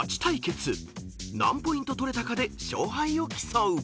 ［何ポイント取れたかで勝敗を競う］